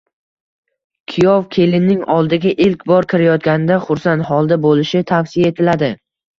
Kuyov kelinning oldiga ilk bor kirayotganida xursand holda bo‘lishi tavsiya etiladi.